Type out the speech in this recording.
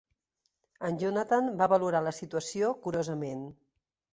En Johnathan va valorar la situació curosament.